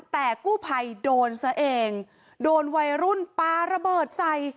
แต่กู้ภัยโดนซะเองโดนวัยรุ่นปลาระเบิดใส่